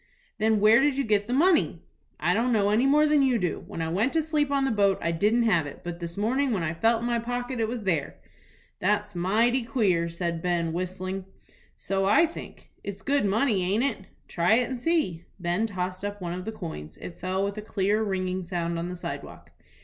"Then where did you get the money?" "I don't know any more than you do. When I went to sleep on the boat I didn't have it, but this morning when I felt in my pocket it was there." "That's mighty queer," said Ben, whistling. "So I think." "It's good money, aint it?" "Try it and see." Ben tossed up one of the coins. It fell with a clear, ringing sound on the sidewalk.